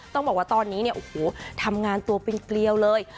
ต้องบอกว่าตอนนี้เนี่ยโอ้โหทำงานตัวเป็นเกลียวเลย